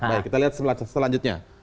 baik kita lihat selanjutnya